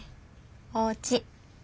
おうち。